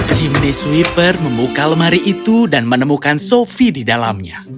jimny sweeper membuka lemari itu dan menemukan sophie di dalamnya